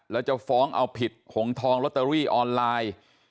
แล้วจะฟ้องเอาผิดหงทองลอตเตอรี่ออนไลน์